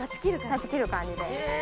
断ち切る感じで。